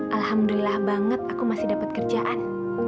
alhamdulillah banget aku masih dapat kerjaan